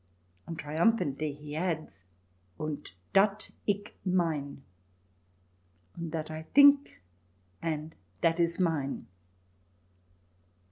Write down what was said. And triumphantly he adds :" Und dat ick mein !"(" And that I think and that is mine